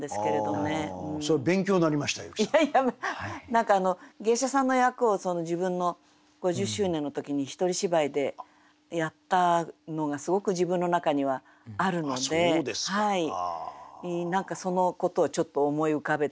何か芸者さんの役を自分の５０周年の時に一人芝居でやったのがすごく自分の中にはあるので何かそのことをちょっと思い浮かべてしまいました。